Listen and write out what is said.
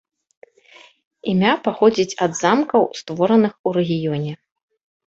Імя паходзіць ад замкаў створаных у рэгіёне.